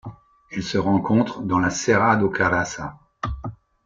Elle se rencontre dans la Serra do Caraça.